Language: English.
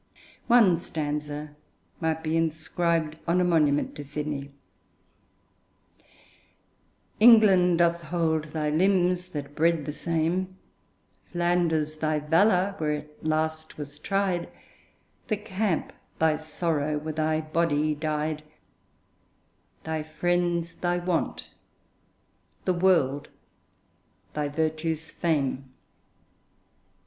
One stanza might be inscribed on a monument to Sidney: England doth hold thy limbs, that bred the same; Flanders thy valour, where it last was tried; The camp thy sorrow, where thy body died; Thy friends thy want; the world thy virtues' fame.